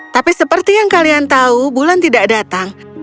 tapi seperti yang kalian tahu bulan tidak datang